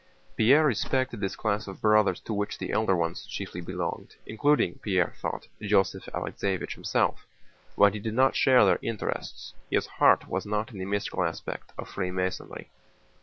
Pierre respected this class of Brothers to which the elder ones chiefly belonged, including, Pierre thought, Joseph Alexéevich himself, but he did not share their interests. His heart was not in the mystical aspect of Freemasonry.